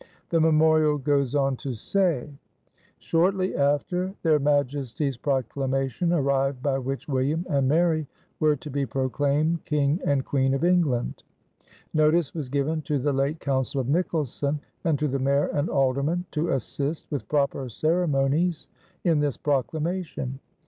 The memorial goes on to say: Shortly after, their Majesties' Proclamation arrived by which William and Mary were to be proclaimed King and Queen of England. Notice was given to the late Council of Nicholson, and to the Mayor and Aldermen to assist, with proper ceremonies, in this Proclamation.